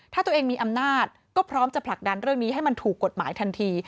ถ้าตัวเองมีอำนาจก็พร้อมจะผลักดันเรื่องนี้ให้มันถูกกฎหมายทันที